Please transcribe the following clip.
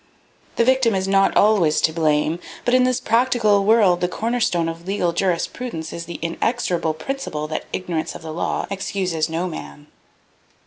The victim is not always to blame; but in this practical world the cornerstone of legal jurisprudence is the inexorable principle that "ignorance of the law excuses no man."